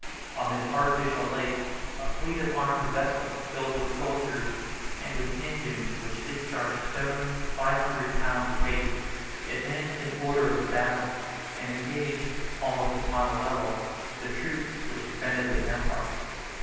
On this artificial lake, a fleet of armed vessels filled with soldiers, and with engines which discharged stones of five hundred pounds weight, advanced in order of battle, and engaged, almost upon a level, the troops which defended the ramparts.